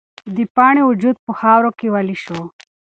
د پاڼې وجود په خاوره کې ویلې شو.